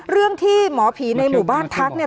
เรื่องที่หมอผีในหมู่บ้านทักเนี่ย